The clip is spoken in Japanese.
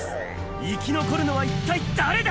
生き残るのは一体誰だ？